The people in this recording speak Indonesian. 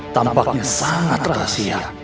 tampaknya sangat rahasia